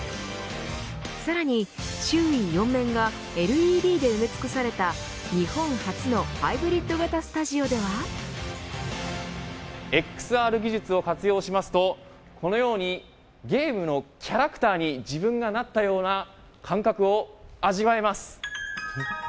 さらに周囲４面がＬＥＤで埋め尽くされた日本初のハイブリッド型ＸＲ技術を活用しますとこのようにゲームのキャラクターに自分がなったような感覚を味わえます。